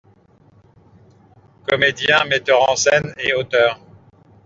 Comédien, metteur en scène et auteur.